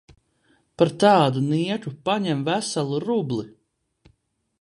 Par tādu nieku paņem veselu rubli!